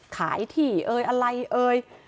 ขายที่อะไรเอ่ย